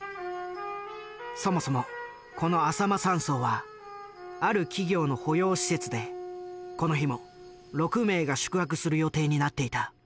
そもそもこのあさま山荘はある企業の保養施設でこの日も６名が宿泊する予定になっていた。